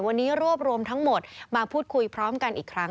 วันนี้รวบรวมทั้งหมดมาพูดคุยพร้อมกันอีกครั้ง